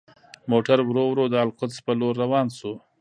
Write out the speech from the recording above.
موټر ورو ورو د القدس په لور روان شو.